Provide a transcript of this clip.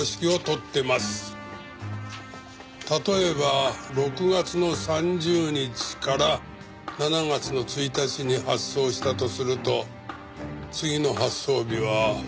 例えば６月の３０日から７月の１日に発送したとすると次の発送日は。